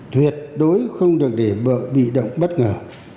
tuyệt đối không được để bị động bất ngờ